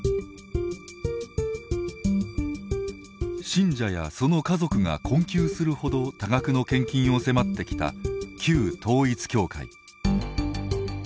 信者やその家族が困窮するほど多額の献金を迫ってきた旧統一教会。